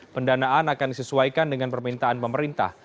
pendanaan akan disesuaikan dengan permintaan pemerintah